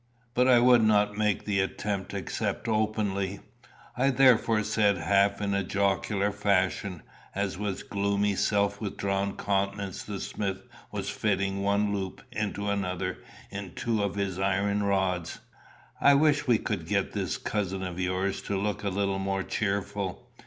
But I would not make the attempt except openly. I therefore said half in a jocular fashion, as with gloomy, self withdrawn countenance the smith was fitting one loop into another in two of his iron rods, "I wish we could get this cousin of yours to look a little more cheerful.